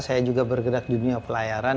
saya juga bergerak di dunia pelayaran